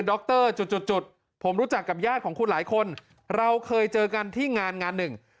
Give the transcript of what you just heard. รจุดผมรู้จักกับญาติของคุณหลายคนเราเคยเจอกันที่งานงานหนึ่ง